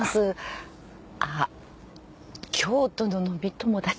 あっ京都の飲み友達。